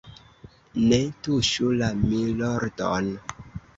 ne tuŝu la _milordon_.